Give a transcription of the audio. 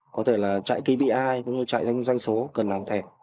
có thể là chạy kpi chạy danh số cần làm thẻ